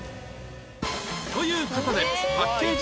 という事でパッケージ